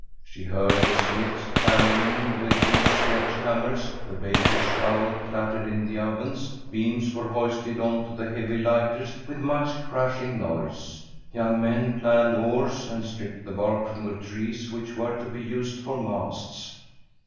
She heard the smiths hanunering with huge sledge hammers, the baker's shovel clat tered in the ovens; beams were hoisted on to heavy lighters with much crashing noise; young men planed oars and stripped the bark from the trees which were to be used for masts.